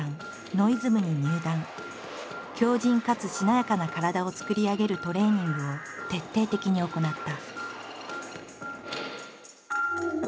強じんかつしなやかな体を作り上げるトレーニングを徹底的に行った。